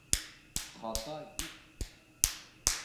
- Хата юҡ!